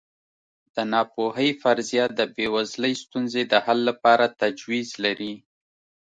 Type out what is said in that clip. د ناپوهۍ فرضیه د بېوزلۍ ستونزې د حل لپاره تجویز لري.